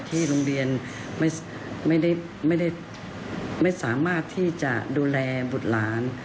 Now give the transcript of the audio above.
ที่โรงเรียนไม่ได้ไม่สามารถที่จะดูแลบุตรหลาน